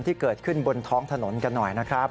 ที่เกิดขึ้นบนท้องถนนกันหน่อยนะครับ